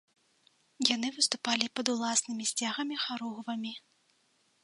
Яны выступалі пад уласнымі сцягамі-харугвамі.